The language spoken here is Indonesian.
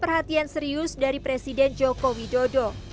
perhatian serius dari presiden joko widodo